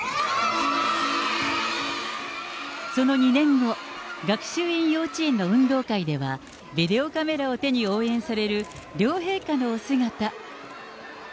その２年後、学習院幼稚園の運動会では、ビデオカメラを手に応援される両陛下のお姿。